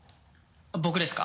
僕ですか？